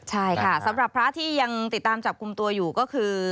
ใช่ค่ะสำหรับพระที่ยังติดตามจับกลุ่มตัวอยู่ก็คือ